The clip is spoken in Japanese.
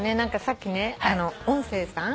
さっきね音声さん？